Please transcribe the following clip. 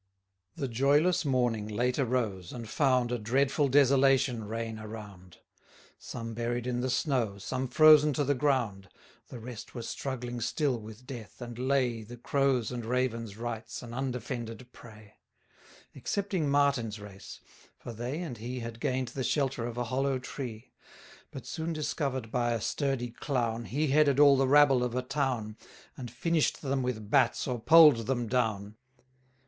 The joyless morning late arose, and found A dreadful desolation reign around Some buried in the snow, some frozen to the ground. The rest were struggling still with death, and lay The Crows' and Ravens' rights, an undefended prey: Excepting Martin's race; for they and he Had gain'd the shelter of a hollow tree: But soon discover'd by a sturdy clown, He headed all the rabble of a town, 630 And finish'd them with bats, or poll'd them down.